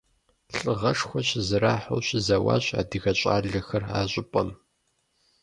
Лӏыгъэшхуэ щызэрахьэу щызэуащ адыгэ щӏалэхэр а щӏыпӏэм.